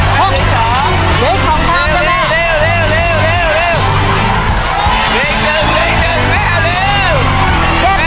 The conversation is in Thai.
หรือที่ที่หกแล้วนะครับ